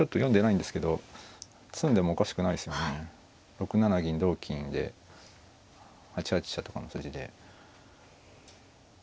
６七銀同金で８八飛車とかの筋で。